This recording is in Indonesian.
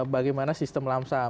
bagaimana sistem lamsam